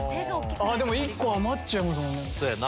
１個余っちゃいますもんね。